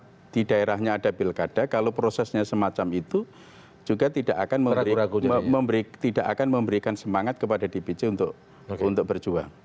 jadi kalau di daerahnya ada pilkada kalau prosesnya semacam itu juga tidak akan memberikan semangat kepada dpc untuk berjuang